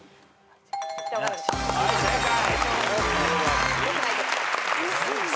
はい正解。